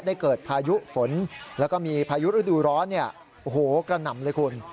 ได้เกิดพายุฝนแล้วก็มีพายุอดูร้อนี่โหกระแหน่มเลยคุณ